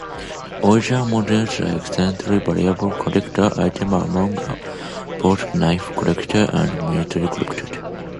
Original models are extremely valuable collector's items among both knife collectors and militaria collectors.